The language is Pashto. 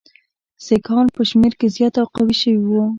سیکهان په شمېر کې زیات او قوي شوي وو.